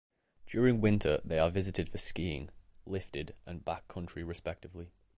During winter they are visited for skiing, lifted and back country respectively.